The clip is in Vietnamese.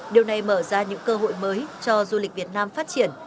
điều này mở ra những cơ hội mới cho du lịch việt nam phát triển